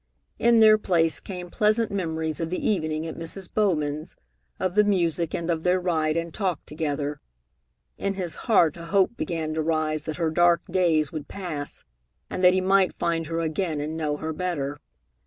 In their place came pleasant memories of the evening at Mrs. Bowman's, of the music, and of their ride and talk together. In his heart a hope began to rise that her dark days would pass, and that he might find her again and know her better.